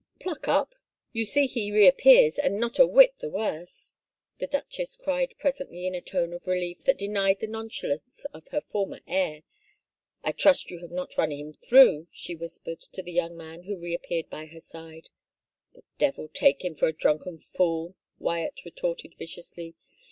" Pluck up — you see he reappears and not a whit the worse," the duchess cried presently in a tone of relief that denied the nonchalance of her former air. " I trust you have not run him through ?" she whispered to the young man who reappeared beside her. " The devil take him for a drunken fool !" Wyatt retorted viciously.